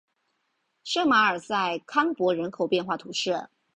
圣马尔瑟康珀人口变化图示